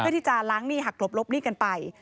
เพื่อที่จะล้างหนี้หักหลบหนี้กันไป